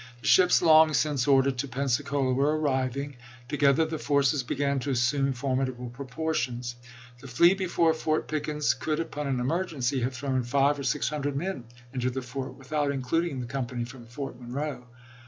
The ships long since ordered to Pensacola were Tj»ir arriving. Together the forces began to assume for ^SS? tSe midable proportions. " The fleet before Fort Pick HSfttce^ ens could upon an emergency have thrown five senate1^1 or six hundred men into the fort without includ ^dsessiou,' ing the company from Fort Monroe."